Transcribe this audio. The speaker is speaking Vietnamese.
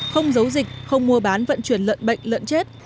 không giấu dịch không mua bán vận chuyển lợn bệnh lợn chết